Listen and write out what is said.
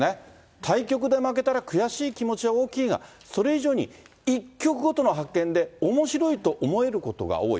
対局で負けたら悔しい気持ちは大きいが、それ以上に、一局ごとの発見で、おもしろいと思えることが多い。